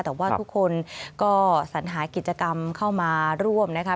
แต่ว่าทุกคนก็สัญหากิจกรรมเข้ามาร่วมนะคะ